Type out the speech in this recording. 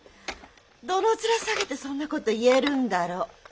どの面下げてそんな事言えるんだろう。